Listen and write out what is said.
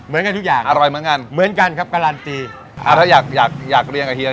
เหมือนกันทุกอย่างอร่อยเหมือนกันเหมือนกันครับการันตีอ่าถ้าอยากอยากอยากอยากเรียนกับเฮีย